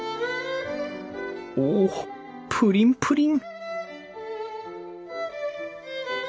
おっプリンプリン！